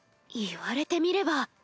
言われてみれば。